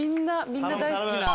みんな大好きな。